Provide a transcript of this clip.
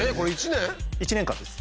１年間です。